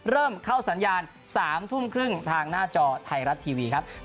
เริ่มเข้าสัญญาณ๓ทุ่มครึ่งทางหน้าจอไทยรัฐทีวีครับ